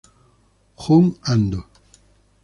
Jun Ando